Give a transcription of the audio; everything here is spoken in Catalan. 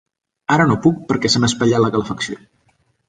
Ara no puc perquè se m'ha espatllat la calefacció.